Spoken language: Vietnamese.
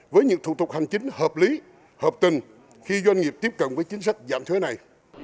với những thủ tục hành chính hợp lý hợp tình khi doanh nghiệp tiếp cận với chính sách giảm thuế này